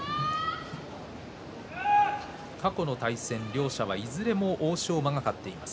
過去の対戦は、いずれも欧勝馬が勝っています。